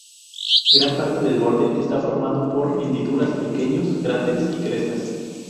Gran parte del borde está formado por hendiduras, pequeños cráteres y crestas.